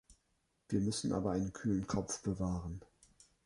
Wir müssen aber einen kühlen Kopf bewahren.